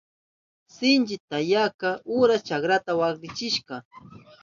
Sinchi tamyaka arus chakrata waklichishka.